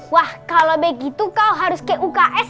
wah kalau begitu kau harus ke uks